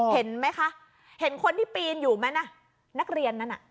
เห็นไหมคะเห็นคนที่ปีนอยู่ไหมนะนักเรียนนั้นน่ะ